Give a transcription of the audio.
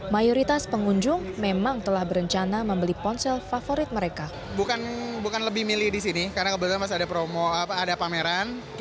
mayoritas pengunjung memang telah berencana membeli ponsel favorit mereka